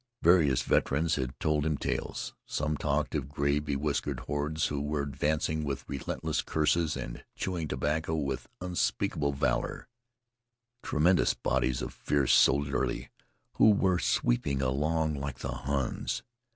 Various veterans had told him tales. Some talked of gray, bewhiskered hordes who were advancing with relentless curses and chewing tobacco with unspeakable valor; tremendous bodies of fierce soldiery who were sweeping along like the Huns.